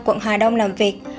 quận hà đông làm việc